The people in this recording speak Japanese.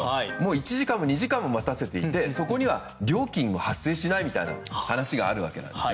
１時間も２時間も待たせていてそこには料金が発生しないという話もあるんです。